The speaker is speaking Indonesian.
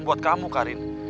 buat kamu karin